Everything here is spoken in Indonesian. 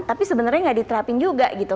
tapi sebenarnya nggak diterapin juga gitu